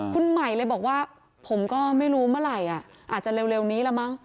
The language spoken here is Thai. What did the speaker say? คุณใหม่เลยบอกว่าผมก็ไม่รู้เมื่อไหร่อาจจะเร็วนี้ละมั้ง